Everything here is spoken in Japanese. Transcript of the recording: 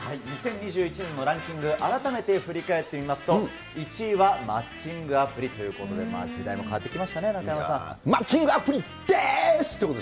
２０２１年のランキング、改めて振り返ってみますと、１位はマッチングアプリということで、時代も変わってきましたね、マッチングアプリでーす！